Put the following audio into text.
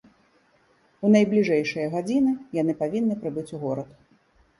У найбліжэйшыя гадзіны яны павінны прыбыць у горад.